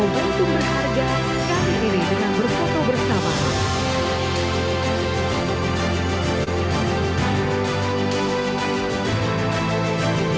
kepada para peran penghargaan